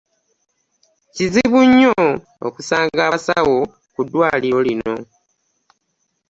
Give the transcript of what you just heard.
Kizibu nnyo okusanga abasawo ku ddwaliro lino.